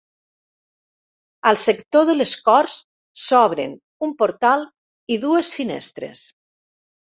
Al sector de les corts s'obren un portal i dues finestres.